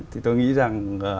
thì tôi nghĩ rằng